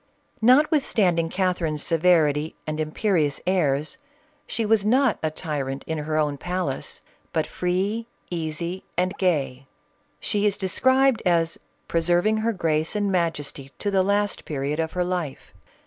Notwithstanding Cath erine's severity and imperious airs, she was not a tyrant in her own palace, but free, easy, and gay. She is de scribed as " preserving her grace and majesty to the last period of her life.